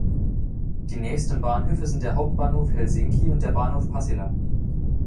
Die nächsten Bahnhöfe sind der Hauptbahnhof Helsinki und der Bahnhof Pasila.